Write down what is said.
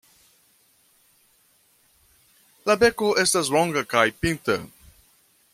La beko estas longa kaj pinta.